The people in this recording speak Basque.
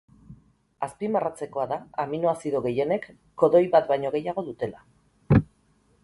Azpimarratzekoa da aminoazido gehienek kodoi bat baino gehiago dutela.